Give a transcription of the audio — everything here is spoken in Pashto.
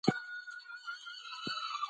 هغه د صفوي دولت له ظلمونو څخه ولس خلاص کړ.